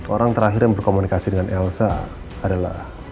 orang terakhir yang berkomunikasi dengan elsa adalah